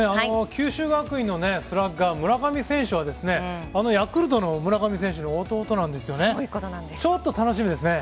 九州学院のスラッガー村上選手はヤクルトの村上選手の弟なんですね。